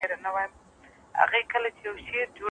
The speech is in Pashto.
که څوک مرسته درڅخه وغواړي، مه يې ردوه.